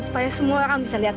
supaya semua orang bisa lihat